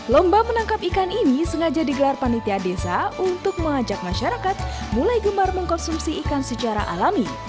lomba menangkap ikan ini sengaja digelar panitia desa untuk mengajak masyarakat mulai gemar mengkonsumsi ikan secara alami